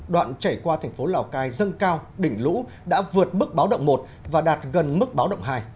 đoạn chảy qua thành phố lào cai dâng cao đỉnh lũ đã vượt mức báo động một và đạt gần mức báo động hai